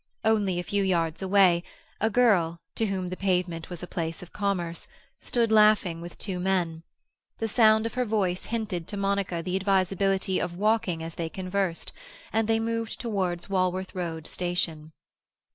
Only a few yards away, a girl, to whom the pavement was a place of commerce, stood laughing with two men. The sound of her voice hinted to Monica the advisability of walking as they conversed, and they moved towards Walworth Road Station.